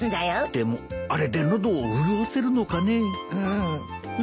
でもあれで喉を潤せるのかね。